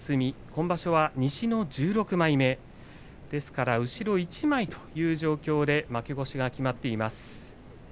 今場所は西の１６枚目後ろ一枚という状況で負け越しが決まっています。